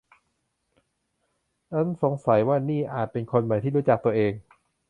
ฉันสงสัยว่านี่อาจเป็นคนใหม่ที่รู้จักตัวเอง